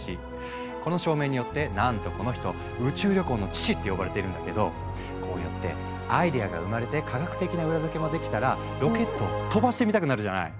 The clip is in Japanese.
この証明によってなんとこの人「宇宙旅行の父」って呼ばれているんだけどこうやってアイデアが生まれて科学的な裏付けもできたらロケットを飛ばしてみたくなるじゃない？